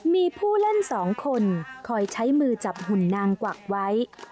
มีผู้เล่น๒คนคอยใช้มือจับหุ่นนางกวักไว้